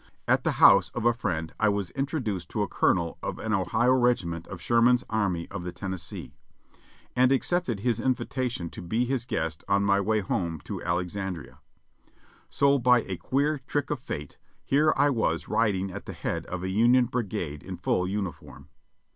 At the house of a friend I was introduced to a colonel of an Ohio regiment of Sherman's Army of the Tennessee, and ac cepted his invitation to be his guest on my way home to Alex andria; so by a queer trick of fate, here I was riding at the head of a Union brigade in full uniform.